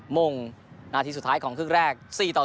มุ่งนาทีสุดท้ายของครึ่งแรก๔๐